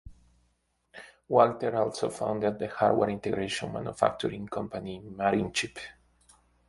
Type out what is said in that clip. Walker also founded the hardware integration manufacturing company Marinchip.